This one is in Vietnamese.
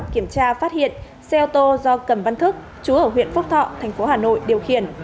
kiểm tra phát hiện xe ô tô do cầm văn thức chú ở huyện phúc thọ thành phố hà nội điều khiển